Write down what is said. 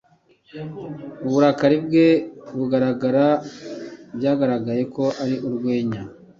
Uburakari bwe bugaragara byagaragaye ko ari urwenya